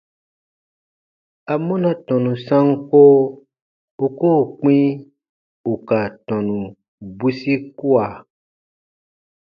Amɔna tɔnu sanko u koo kpĩ ù ka tɔnu bwisi kua?